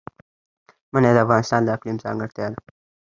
منی د افغانستان د اقلیم ځانګړتیا ده.